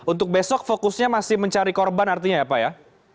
untuk besok fokusnya masih mencari korban artinya ya pak ya